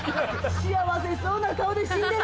幸せそうな顔で死んでる！